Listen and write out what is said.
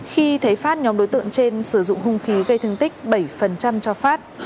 khi thấy phát nhóm đối tượng trên sử dụng hung khí gây thương tích bảy cho phát